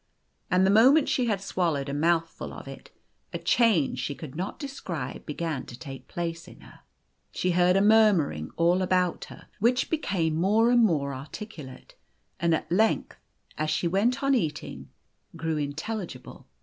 And the moment she had swallowed a mouthful of it, a change she could not 7 O describe began to take place in her. She heard a murmuring all about her, which became more and more o articulate, and at length, as she went on eating, grew intelligible.